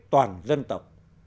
toàn dân tộc